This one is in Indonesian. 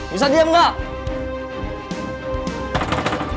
bisa diem gak